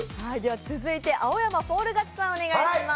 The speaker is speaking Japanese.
続いて青山フォール勝ちさんお願いします。